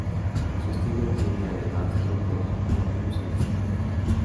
Su estilo tiene además trucos no blues adicionales.